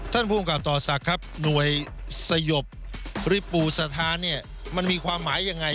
ท่านภูมิกับต่อศักดิ์ครับหน่วยสยบริปูสถานเนี่ยมันมีความหมายยังไง